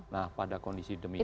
nah pada kondisi demikian